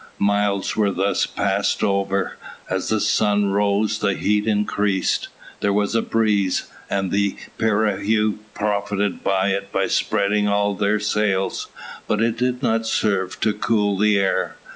Miles were thus passed over. As the sun rose the heat increased. There was a breeze, and the prahus profited by it by spreading all their sails, but it did not serve to cool the air.